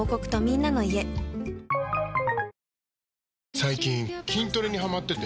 最近筋トレにハマってて。